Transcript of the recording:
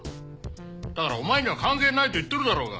だからお前には関係ないと言ってるだろうが！